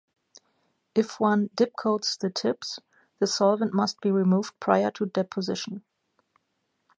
If one dip-coats the tips, the solvent must be removed prior to deposition.